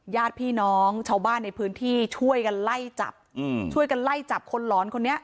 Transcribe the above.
ญาติพี่น้องชาวบ้านในพื้นที่ช่วยกันไล่จับช่วยกันไล่จับคนหลอนคนนี้